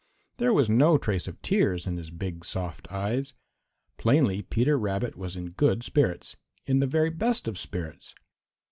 There was no trace of tears in his big, soft eyes. Plainly Peter Rabbit was in good spirits, in the very best of spirits.